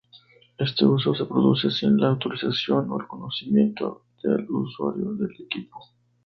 Este uso se produce sin la autorización o el conocimiento del usuario del equipo.